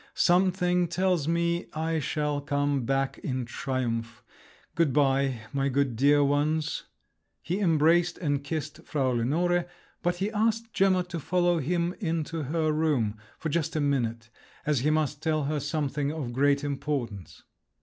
Something tells me I shall come back in triumph! Good bye, my good dear ones…." He embraced and kissed Frau Lenore, but he asked Gemma to follow him into her room—for just a minute—as he must tell her something of great importance.